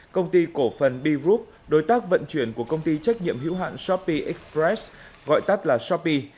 công ty cổ phần b group đối tác vận chuyển của công ty trách nhiệm hữu hạn shopee express gọi tắt là shopee